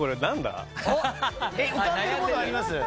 浮かんでるものあります？